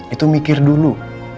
itu mikir dulu